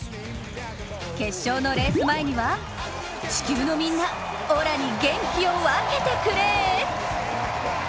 決勝のレース前には、「地球のみんなオラに元気を分けてくれ」！